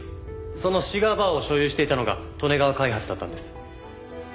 そのシガーバーを所有していたのが利根川開発だったんです。